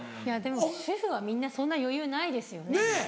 でも主婦はみんなそんな余裕ないですよね。